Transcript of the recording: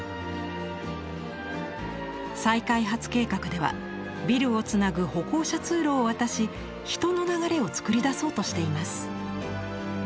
再開発計画ではビルをつなぐ歩行者通路を渡し人の流れをつくり出そうとしています。